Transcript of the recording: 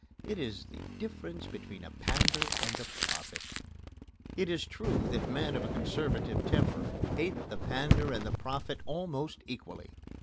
It is the difference between a pander and a prophet. It is true that men of a conservative temper hate the pander and the prophet almost equally.